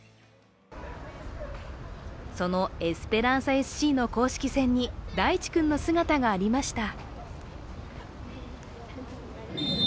そのエスペランサＳＣの公式戦に大地君の姿がありました。